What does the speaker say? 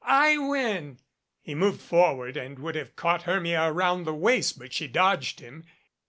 "I win !" He moved forward and would have caught Hermia around the waist, but she dodged him.